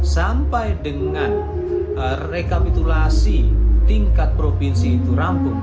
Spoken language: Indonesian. sampai dengan rekapitulasi tingkat provinsi itu rampung